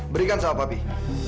berikan sahabat pih